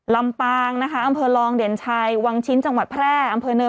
ลำปางนะคะอำเภอลองเด่นชัยวังชิ้นจังหวัดแพร่อำเภอเนิน